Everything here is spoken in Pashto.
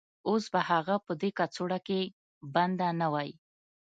اوس به هغه په دې کڅوړه کې بنده نه وای